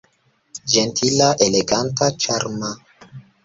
Ĝentila, eleganta, ĉarma!